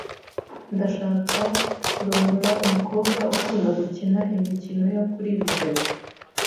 Ndashaka kurongora umukobwa ukunda gukina imikino yo kuri videwo.